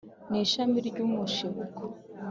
ni ishami ry’umushibuko